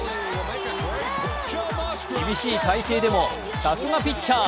厳しい体勢でもさすがピッチャー。